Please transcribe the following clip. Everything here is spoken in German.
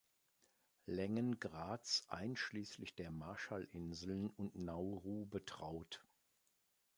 Längengrads einschließlich der Marshallinseln und Nauru betraut.